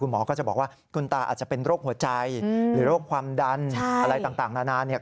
หมอก็จะบอกว่าคุณตาอาจจะเป็นโรคหัวใจหรือโรคความดันอะไรต่างนานาเนี่ย